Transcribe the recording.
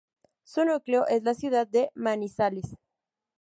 Su núcleo es la ciudad de Manizales.